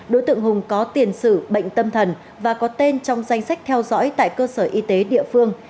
đối tượng hùng có tiền sử bệnh tâm thần và có tên trong danh sách theo dõi tại cơ sở y tế địa phương